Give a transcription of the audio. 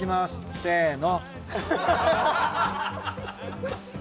せの。